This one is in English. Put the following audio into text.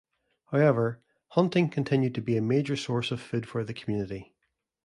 However, hunting continued to be a major source of food for the community.